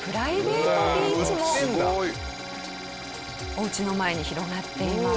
おうちの前に広がっています。